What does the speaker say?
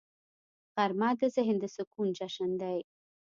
غرمه د ذهن د سکون جشن دی